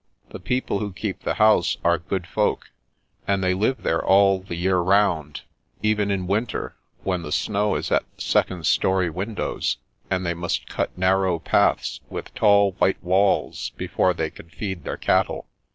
The people who keep the house are good folk, and they live there all the year round, even in winter, when the snow is at the second story windows, and they must cut nar row paths, with tall white walls, before they can feed their cattle.